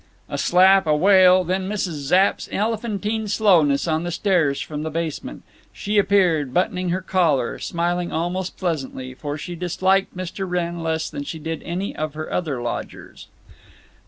A slap, a wail, then Mrs. Zapp's elephantine slowness on the stairs from the basement. She appeared, buttoning her collar, smiling almost pleasantly, for she disliked Mr. Wrenn less than she did any other of her lodgers.